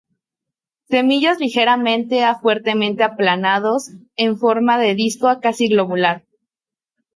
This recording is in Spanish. Semillas ligeramente a fuertemente aplanados, en forma de disco a casi globular.